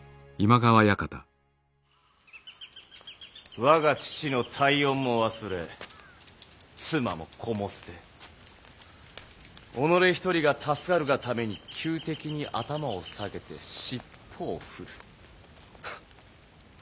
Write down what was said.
我が父の大恩も忘れ妻も子も捨て己一人が助かるがために仇敵に頭を下げて尻尾を振るハッ。